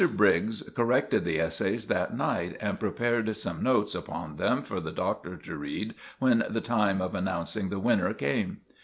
Briggs corrected the essays that night, and prepared some notes upon them for the Doctor to read when the time of announcing the winner came.